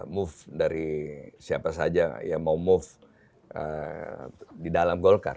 move dari siapa saja yang mau move di dalam golkar